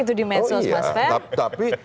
itu di medsos plus fair oh iya tapi